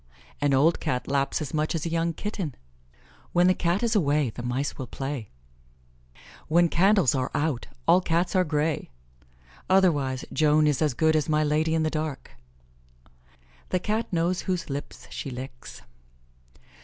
"An old Cat laps as much as a young kitten." "When the Cat is away, the mice will play." "When candles are out, all Cats are grey." Otherwise, "Joan is as good as my Lady in the dark." "The Cat knows whose lips she licks."